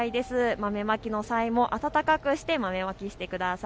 豆まきの際も暖かくして豆まきをしてください。